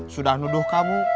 sudah nuduh kamu